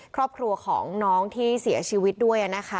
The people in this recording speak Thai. ครอบครัวของน้องที่เสียชีวิตด้วยนะคะ